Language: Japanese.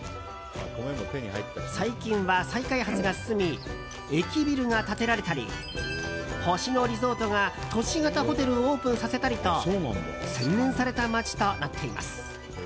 最近は再開発が進み駅ビルが建てられたり星野リゾートが都市型ホテルをオープンさせたりと洗練された街となっています。